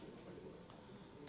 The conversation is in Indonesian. ataupun di kalangan